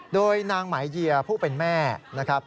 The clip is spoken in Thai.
โดยนางหมายเยียผู้เป็นแม่นะครับ